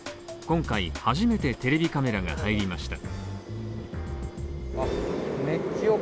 今回、初めてテレビカメラが入りました。